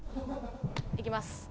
いきます。